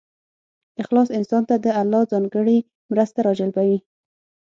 اخلاص انسان ته د الله ځانګړې مرسته راجلبوي.